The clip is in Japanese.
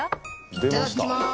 いただきます！